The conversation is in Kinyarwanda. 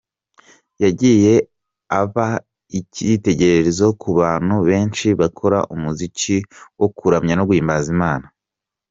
Yagiye aba icyitegererezo ku bantu benshi bakora umuziki wo kuramya no guhimbaza Imana.